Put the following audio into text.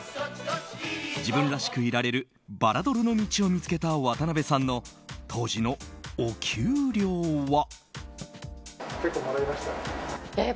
自分らしくいられるバラドルの道を見つけた渡辺さんの当時のお給料は。